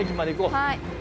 はい。